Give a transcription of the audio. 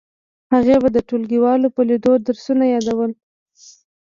هغې به د ټولګیوالو په لیدو درسونه یادول